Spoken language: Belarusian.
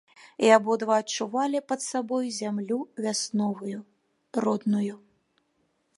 І абодва адчувалі пад сабою зямлю вясновую, родную.